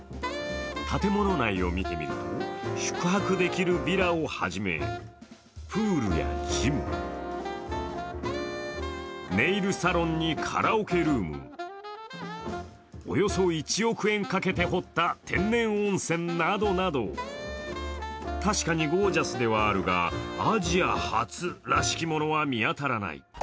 建物内を見てみると宿泊できるヴィラをはじめ、プールやジム、ネイルサロンにカラオケルームおよそ１億円かけて掘った天然温泉などなど確かにゴージャスではあるが、アジア初らしきものは見当たらない。